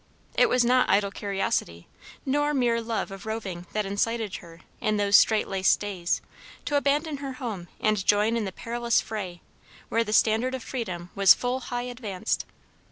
It was not idle curiosity nor mere love of roving, that incited her, in those straitlaced days, to abandon her home and join in the perilous fray where the standard of freedom was "full high advanced."